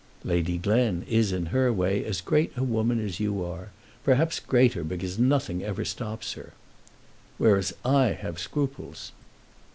"Lady Glen is in her way as great a woman as you are; perhaps greater, because nothing ever stops her." "Whereas I have scruples."